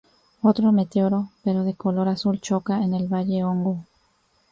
Otro meteoro, pero de color azul choca en el Valle Hongo.